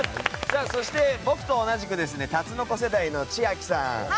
そして、僕と同じくタツノコ世代の千秋さん。